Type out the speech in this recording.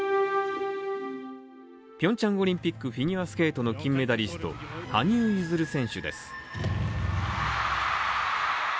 ピョンチャンオリンピックフィギュアスケートの金メダリスト、羽生結弦選手です。